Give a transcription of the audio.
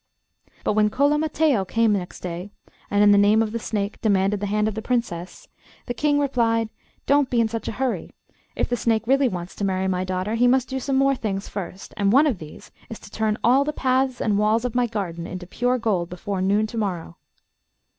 But when Cola Mattheo came next day, and, in the name of the snake, demanded the hand of the Princess, the King replied, 'Don't be in such a hurry; if the snake really wants to marry my daughter, he must do some more things first, and one of these is to turn all the paths and walls of my garden into pure gold before noon to morrow.